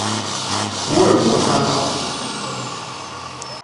福爾摩沙高速公路的終點